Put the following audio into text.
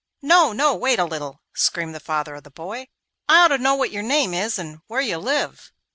'No, no, wait a little!' screamed the father of the boy. 'I ought to know what your name is and where you live.